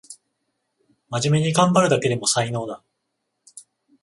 まじめにがんばるだけでも才能だ